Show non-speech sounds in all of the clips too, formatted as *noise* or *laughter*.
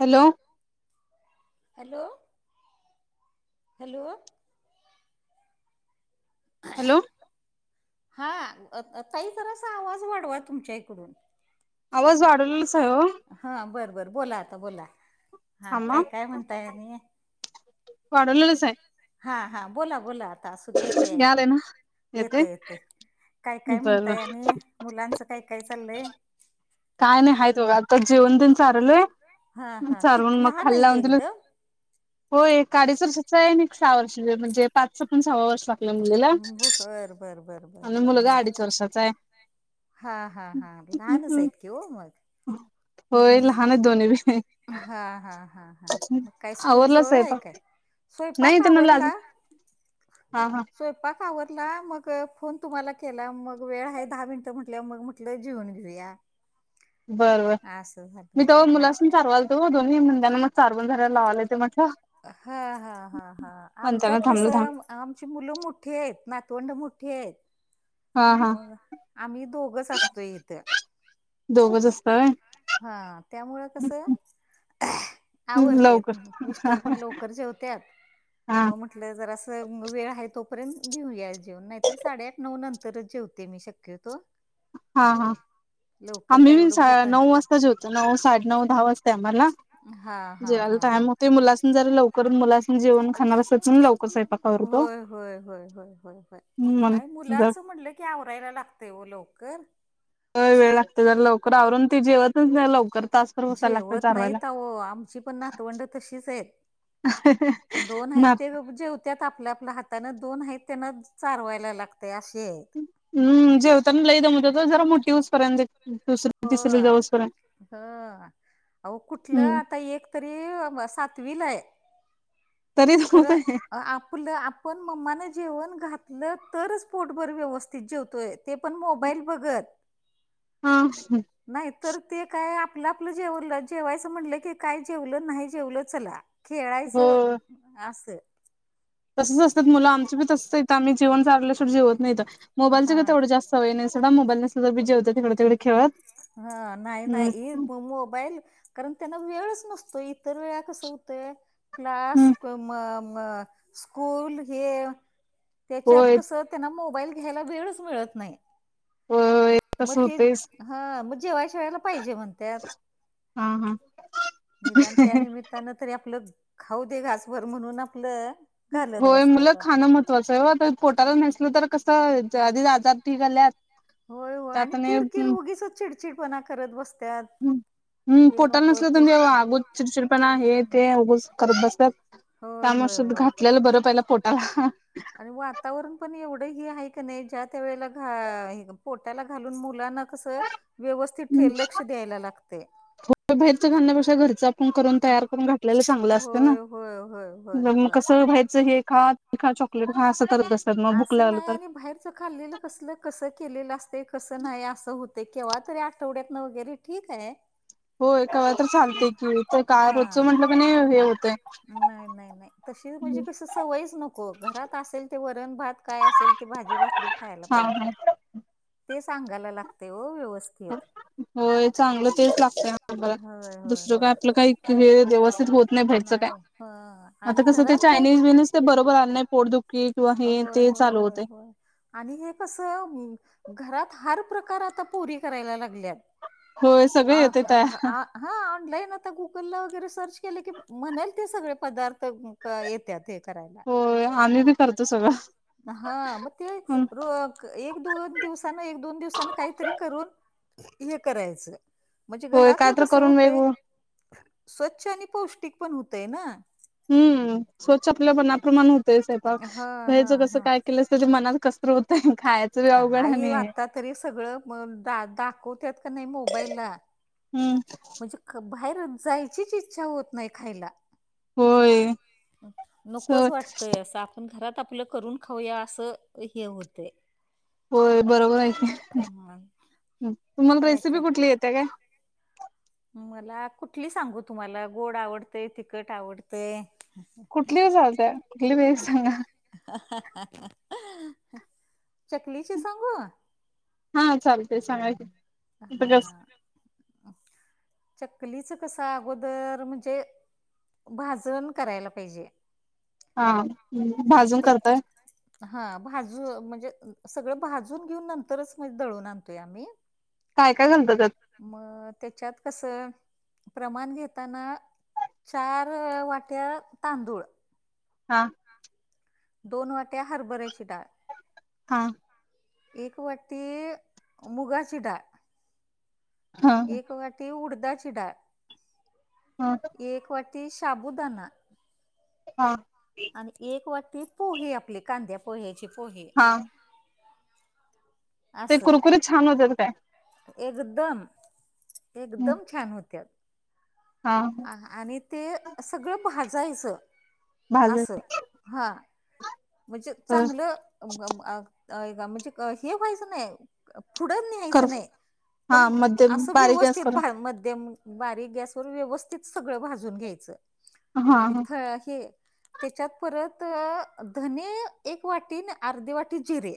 Hello. Hello. Hello. Hello. हा आ ताई जरासा आवाज वाढवा तुमच्या इकडून. आवाज वाढवलाच आहे हो. हा बरं बरं बोला आता बोलाव. हा मग वाढवलेला च आहे. हा हा बोला बोला असू दे येते ऐकू यालाय ना येते येतंय येतंय काय काय बर म्हणताय आणि मुलांच काय काय चाललंय काय नाही हाय बघा आता जेवण तेन चारवलंय हा हा चारवून किती मग लहान खाली आहेत लावून दिलं एकदम? होय एक अडीच वर्षाचा आहे एक सहा वर्षा म्हणजे पाच पण सहाव वर्ष लागलं मुलीला बर बर बर बर आणि बर मुलगा म्हणजे अडीच वर्षाचा आहे हा हा हा लहानच आहेत की हो मग होय लहान आहेत दोन्ही बी हा हां हां हां मग काय स्कूल आवरला जवळ आहे स्वयंपाक काय नाही स्वयंपाक त्यांना लाज आवरला हा हा स्वयंपाक आवरला मग फोन तुम्हाला केला मग वेळ आहे दहा मिनटं म्हटल्यावर मग म्हटलं जेवून घेऊया *unintelligible* बरं बर असं मी झालं तव्हा हा ना मुलासनि चारवालतो दोन्ही मुलग्यांना चारवून झाल्यावर लावायला येत म्हटलं हा हा हा हा म्हणताना आमच्यात कस थांबलो थांब आमची मुलं मोठी आहेत नातवंड मोठी आहेत हा हा मग आम्ही दोघच असतोय इथं. दोघच असताय होय हा त्यामुळ कसं आवरतय लवकर हा मिस्टर पण लवकर जेवत्यात हा आपलं जर असं वेळ आहे तोपर्यंत घेऊ या जेऊन नाही तर साडेआठ नऊ नंतरच जेवते मी शक्य तो हा हा आम्ही काय बी एवढं सा भोका नऊ वाजता जेवतो नऊ साडे नऊ दहा वाजते आम्हाला. दहा वाजता त्यांना हा हा जेवायला हा हा टाइम होते मुलासनि जरा लवकर मुलासनि जेऊण खाणार असं म्हणून लवकरच सायंपाक होय होय होय होय होय होय मग नाही जर मुलांचं म्हटलं की आवरायला लागतेय हो लवकर. होय वेळ लागतो जर लवकर आवरून ते जेवतच नाही लवकर तास भर बसाय लागत चारवायला. हो आमचि पण नातवंड तशीच आहेत. *inaudible* दोन आहेत ना ते गप्प जेवत्यात आपल आपल हाताानं दोन आहेत त्यांना चारवायला लाग ते असे हम्म जेवताना लय दमवत्यात जरा मोठी होऊस पर्यंत हो हो अव कुठलं हम्म आता एक तरी सातवीला आहे. तरी खरं जमतंय आपलं आप पण मम्मान जेवण घातलं तरच पोटभर व्यवस्थित जेवतोय ते पण मोबाईल बघत. हा *inaudible* नाही तर ते काय आपलं आपलं जेवलं जेवायचं म्हटलं की काय जेवलं नाही जेवलं चला. खेळायचं असं तसच असतात मुलं आमचे पण तसं आमी जेवण चारल्याशिवा जेवत नाहीत मोबाईलच हा का तेवढं जास्त सवय नाही सोडा मोबाईल नसलं तरी बी जेवत्यात ईकड तिकड खेळत. हा नाही नाही ही हम्म मोबाईल कारण त्यांना वेळच नसतोय इतर वेळा कसं होतंय क्लास क म म स्कूल हे तेच्यात होय कस त्यांना मोबाईल घ्यायला वेळच मिळत नाही होय म तसं होतेच तेच हा म जेवाय त्यावेळेला पाहिजे म्हणत्यात हा हा निदान त्यानिमित्त त्यान तरी आपलं खाऊ दे घासभर म्हणून आपलं घालत बसत्यात आपलं तस वाटलं पोटाला नसल तर कसं आधी आजारी झाल्यास होय होय आणि किर किर उगीचच चिडचिडपणा करत बसत्यात हू हे पोटाला नको नसल ते तर तेव्हा आग होते चिडचिडपणा हे ते उगच करत बसतात होय होय त्यामुळ होय घातलेल बरं पाहिला पोटाला आणि वातावरण पण एवढं हे आहे कणी ज्या त्या वेळेला घा पोटाला घालून मुलांना कस व्यवस्थित हे लक्ष द्यायला लागतय ते बाहेरच घालण्या पेक्षा घरच करून तयार करून घातलेल चांगलं असतना होय होय होय होय मग होय कसं बाहेरच हे खा हे खा चॉकलेट खा असं करत बसतात मग भुक लागल तर च खाल्लेलं कसल कसं केलेलं असते कसं नाही असं होतय केव्हा तरी आठवड्यात वगैरे ठीक हाय होय कवा तर चालते की तर काय हा रोजच म्हंटलं कणी हे होतंय नाही नाही नाही तशी म्हणजे कस सवयच नको घरात असेल ते वरण भात काय असेल ते भाजी भाकरी खायला हा पाहिजे हा ते सांगायला लागतय ओ होय चांगलं तेच लागतंय बर होय होय दुसरं होय काय आपलं काही वेळ व्यवस्थित होत नाही बाहेरच काय हा आता कसं ते चायनीज बिनिज ते बरोबर आल नाही पोटदुखी किंवा हे होय ते होय चालू होय होतय होय आणि हे कसं घरात हर प्रकार आता पोरी करायला लागल्यात होय सगळे आ येतंय तयार आ हा ऑनलाईन आता गुगलला वगैरे सर्च केलं की म्हणेल ते सगळे पदार्थ येत्यात हे करायला होय आम्ही बी करतो सगळं हा म तेच एक दोन दिवसान एक दोन दिवसान काहीतरी करून हे करायचं म्हणजे होय घरातलं काय तर कसं करून होतंय वेग स्वच्छ आणि पौष्टिक पण होतय ना हू स्वच्छ आपल्या मनाप्रमाण होतय हा हा साहेबच कस हा काय केलं तुझ्या मनात कस तर होतय खाय काय आता तरी सगळं म दाखवत्यात कणी मोबाईलला हू म्हणजे बाहेरं जायचीच इच्छा होत नाही खायला होय होय सवय नकोच वाटतय असं आपण घरात आपलं करून खाऊया असं हे होतंय होय बरोबर हाय की हा तुम्हाला काय रेसिपी काय कुठली येत्या काय मला कुठली सांगू तुम्हाला गोड आवडतय तिखट आवडतय कुठली बी चालत्या कुठली बी एक सांगा चकली ची सांगू हा चालतय सांगा की आता हा कस चकलीच कस अगोदर म्हणजे भाजण करायला पाहिजे हा मग भाजून ते करताय हा भाजू म्हणजे सगळं भाजून घेऊन नंतरच दळून आणतोय आम्ही. काय काय घालता त्यात मग त्याच्यात कसं प्रमाण घेताना चार वाट्या तांदूळ हा दोन वाट्या हरभऱ्याची डाळ. हा. एक वाटी मुगाची डाळ. हा एक वाटी उडदाची डाळ हा एक वाटी ती शाबुदाना. हा. आणि एक वाटी पोहे आपली कांद्या पोह्याची पोहे. हां. ते असं कुरकुरीत छान होतात काय एकदम एकदम छान होत्यात. हा. आणि ते सगळं भाजायचं भाज असं हां. म्हणजे चांगलं म्हणजे आ हे व्हायचं नाही पुढं कर न्यायचं नाही हा पण मध्यम असं बारीक गॅस व्यवस्थित करून भा मध्यम. बारीक गॅसवर व्यवस्थित सगळं भाजून घ्यायचं हा आणि थळ हे. त्याच्यात परत धने एक वाटीन आणि अर्धी वाटी जिरे.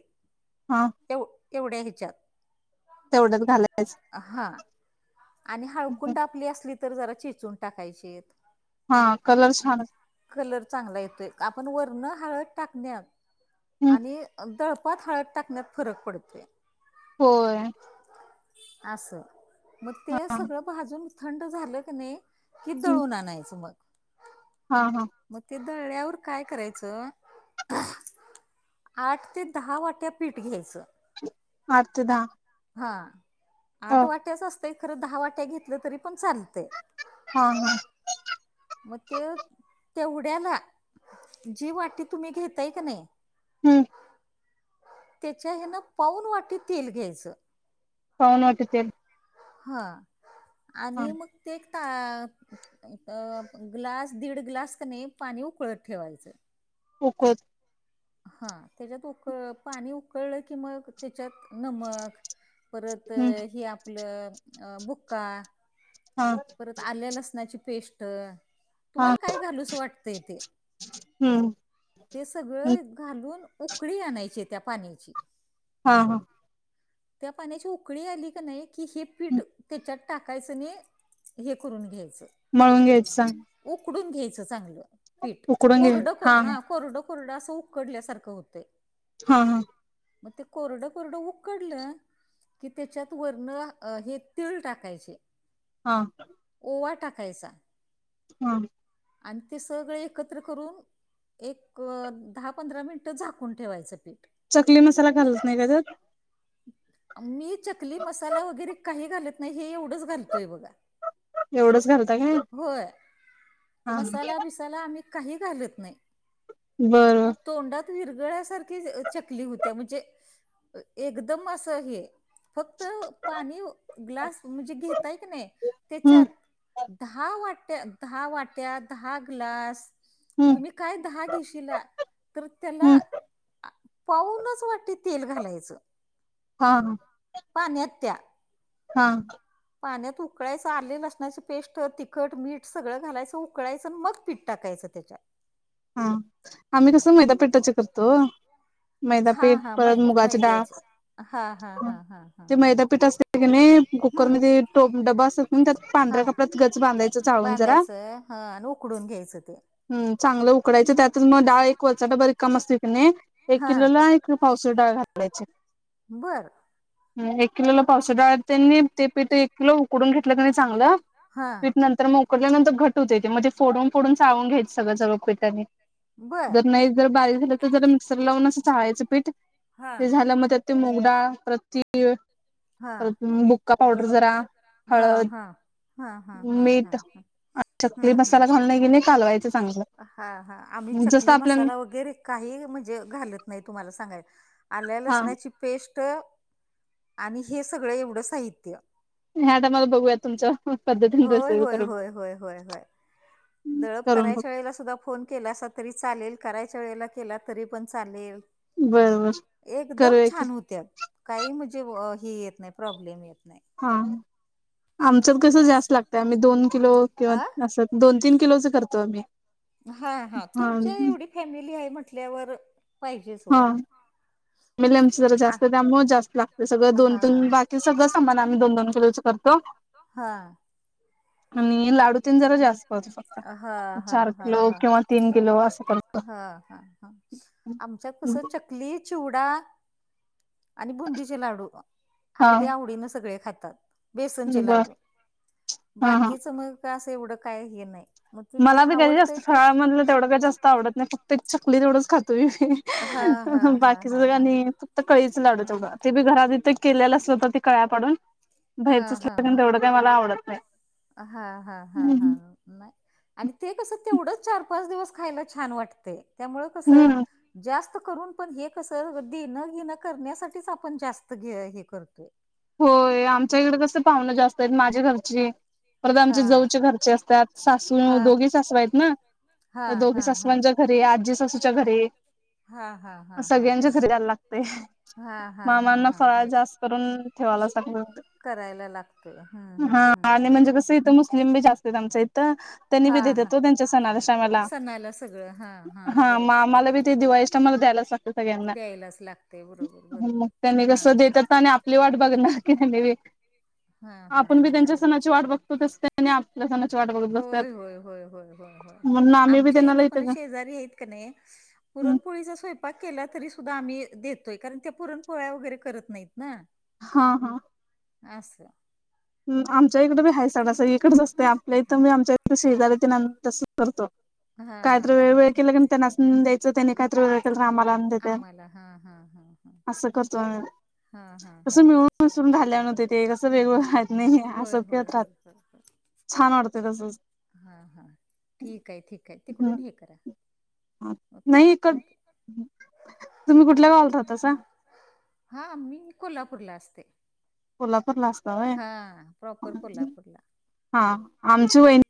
हा. एव एवढ्या ह्याच्यात. तेवढंच घालायच. हा आणि हळकुंड आपली असली तर जरा चिचून टाकायचित. हा कलर छान असं कलर चांगला येतोय आपण वरण हळद टाकण्यात हम्म आणि दळ पात हळद टाकण्यात फरक पडतोय. होय. असं. मग ते हा सगळं भाजून थंड झालं की नाही कि हम्म दळून आणायचं मग. हा हा. मग ते दळळ्यावर काय करायचं. आठ ते दहा वाट्या पीठ घ्यायचं. आठ ते दहा. हा आठ हो वाट्याच असतय खरं दहा वाट्या घेतलं तरी पण चालते. हा हा. मग ते तेवढ्याला. जी वाटी तुम्ही घेताय कणी हम्म. त्याच्या हेन पावून वाटी तेल घ्यायचं. पाहून वाटी तेल. हा हा आणि मग टाक. ग्लास दीड ग्लास कने पाणी उकळत ठेवायचं. कुकत. हा त्याच्यात उकळ पाणी उकळलं की मग त्याच्यात नमक परत हम्म हे आपलं बुक्का. हा. परत आले लसणाची पेस्ट. हा तुम्हाला काय घालूस वाटतय ते. हम्म ते हम्म सगळं घालून उकळी आणायची त्या पाण्याची. हा हा. त्या पाण्याची उकळी आली का नाही की हे पीठ त्याच्यात टाकायचं नी हे करुन घ्यायचं. मंग नीट सांग. *unintelligible* उकडून घ्यायचं चांगलं पीठ उकडून घ्याय कोरड हा कोरड कोरड असं उकडल्यासारखं होतय. हा हा. मग ते कोरड कोरड उक उकडलं की त्याच्यात वरण अ हे तिळ टाकायचे. हा. ओवा टाकायचा. हा. आणि ते सगळे एकत्र करून एक दहा पंधरा मिनिटं झाकून ठेवायचं पीठ. चकली मसाला घालत नाही का त्यात? मी चकली मसाला वगैरे काही घालत नाही हे एवढंच घालतोय बघा.. एवढंच घालता काय होय हा मसाला बिसाला आम्ही काही घालत नाय. बरं. तोंडात विरगळ्यासारखी चकली होत्या म्हणजे एकदम अस आहे फक्त *unintelligible* पाणी ग्लास म्हणजे घेताय की नाय हम्म त्याच्यात दहा वाट्या दहा वाट्या दहा ग्लास हम्म तुम्ही काय दहा घेशिला तर त्याला हम्म पावूनच वाटी तेल घालायचं. हा हा. पाण्यात त्या. हा. पाण्यात उकळायचं आले लसणाची पेस्ट तिखट मीठ सगळं घालायचं उकळायचं मग पिठ टाकायचं त्याच्यात. हा आम्ही कसं मैदा पिठाचं करतो. मैदा हा पीठ हा परत मै मुगाची मै डाळ. द्यायचं हा हा हा हा हा ते हा. मैदा पीठ असतं कनाय हम्म. कुकरमध्ये टो डबा अस मग त्यात हा पांढऱ्या कपड्यात गच बांधायचं चाळून जरा. बांधायचं ह आणि उकडून घ्यायचं ते. हम् चांगलं उकडायचं त्यातच मग डाळ एक वरचा डबा रिकामा असतोय कनी एक हा. किलोला पावशेर डाळ घालायची. बरं. ह एक किलोला पावशेर डाळ त्यांनी ते पीठ एक किलो उकडून घेतलं कणी चांगलं. हा पीठ नंतर मग, उकडल्यानंतर घट होते ते म्हणजे, फोडून फोडून जाळून घ्यायचं सगळं सगळ पीठ त्यांनी. बर जर नाही जर बारीक झालं तर, जरा मिक्सर लावून असं चाळायचं पीठ हा ते झाल्या मग ते. त्या मूग डाळ परत, तीळ हा परत, बुका पावडर जरा. हा हळद हा. हा हा हा हा मीठ ह चकली हम्म हम्म. मसाला घालून ये कणी कालवायचं चांगलं. हा हा.. आम्ही जसं चकली आपल्याला मसाला वगैरे काही म्हणजे, घालत नाही तुम्हाला सांगाय. आल्या हा लसणाची पेस्ट, आणि हे सगळं एवढं साहित्य. मॅडम आता बघुया तुमच्या पद्धतीने होय, रेसिपी होय, करून. होय, होय, होय, होय. दळप करून बघ करायच्या वेळेला सुद्धा. फोन केलासा तरी चालेल, करायच्या वेळेला केला तरी पण चालेल. बर बर एकदम करूया की छान होत्यात. काही म्हणजे हे, येत नाय प्रॉब्लेम येत नाय. हा. आमच्यात कसं जास्त असं. लागतंय, आम्ही दोन किलो किंवा अ असं दोन तीन किलोच करतो आम्ही. हा हा, तुमच्या एवढी. फॅमिली हाय म्हटल्यावर पाहिजेच ओ. हा फॅमिली आमची जरा जास्तं त्यामुळे जास्त लागते. सगळं दोन दोन हा. भा ते सगळं सामान आणून, दोन दोन किलोच करतो. हा. आणि लाडू तेन जरा जास्तं. हा हा चार हा किलो हा किंवा तीन किलो असं करतो. हा हा हा. आमच्यात कस चकली चिवडा. आणि बुंदीचे लाडू हा अगदीे, आवडीनं सगळे खातात. बेसनचे बर लाडू, हा हा बाकीचं मग असं एवढं काय हे नाही. मग ते जे मला बी कधी आवडतंय जास्त तेच फराळ मधलं तेवढं का जास्त आवडत नाही फक्तं एक चकली तेवढच खातोय हा हा मी. हा बाकीच हा हा आणि, कळीच लाडू हम्म तेवढ ते बी, घरात इथं केलेल्या असलं तर ते कळ्या पाडून हा भैरच असल हा हा तेवढं. ते मला आवडत नाही. हा हा हा हा. नाही आणि ते कसं, तेवढंच चार पाच दिवस खायला छान वाटते त्यामुंळ कसं. हम्म जास्त करून पण हे कसं, देणं घेण करण्यासाठीच आपण जास्त घ हे करतोय. होय आमच्या इकडं कसं पावन जास्तं आहेत माझ्या घरची. परत आमच्या जाऊच्या घरचे असतात. सासू आपण दोघी सासवा आहेत ना तर दोघी सासवांच्या, घरी आजी सासूच्या घरी. हा हा हा हा हा सगळ्यांच्या घरी द्यायला लागतंय, हा हा हा *unintelligible* हा फराळ जास्तं करून ठेवायलाच लागत. करायला लागतंय हम हम हम. लिंबी जास्त आहेत आमच्या इथं त्यांनी बी हा हा देत्यात त्यांच्या सणा शमाला, सणाला सगळं हा हा बरोबर आम्हाला बरोबर. बी ते दिवाळीच्या टाईमाला द्यायलाच लागतं. सगळ्यांना द्यायलाच लागते बरोबर मग बरोबर हा. बाकी मी बी हा हा आपण बी हा त्यांच्या हा. सणाची वाट बघतो, तसं त्यांनी आपल्या सणाची वाट बघ होय होय होय होय होय होय होय. आम्ही बी आमच्या त्यांना इथं लई पण त्याचं शेजारी आहेत कणी. हम्म पुरणपोळीचा स्वयं पाक केला तरी सुद्धा आम्ही देतोय, कारण त्या पुरण पोळ्या वगैरे करत नाहीत ना. हा हा. असं. आमच्या इकडें बी हायसा तस एकच असत आपल्या इथं तुमी मी हम्म. आमच्या ते शेजारी तेन आम्ही तसच करतो हा काही हा तर हा वेळ वेळ केलकनि त्यांना. हम द्यायचं त्यानी काहीतरी वेगळं केल आमाला आण. आम्हाला हा हा हा हा हा हा हा ह. मिसळुन राहील्यान ते कसं वेगळं. होय होय होय छान वाटते तसच हा हा. ठीक आहे ठीक आहे तिकडून हे करा. ह ओके नाही क ओके तुम्ही हॅलो कुठल्या गाव तसा. हा मी कोल्हापूरला असते. कोल्हापूरला असता व्हय हा प्रॉपर कोल्हापूरला आमची हा वहिणी.